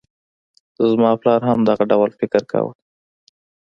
زما پلار هم دغه ډول فکر کاوه.